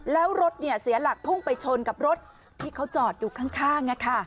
แล้วรถเสียหลักพุ่งไปชนกับรถที่เขาจอดอยู่ข้าง